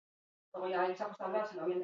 Hala, bi zuzenketa aurkeztu dituzte.